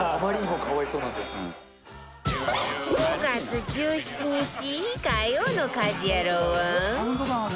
５月１７日火曜の『家事ヤロウ！！！』は